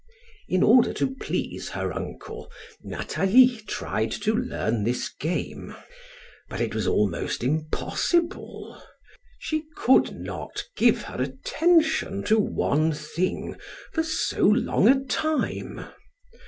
In order to please her uncle, Nathalie tried to learn this game; but it was almost impossible. She could not give her attention to one thing for so long a time.